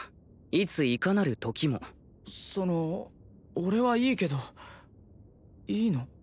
いついかなるときもその俺はいいけどいいの？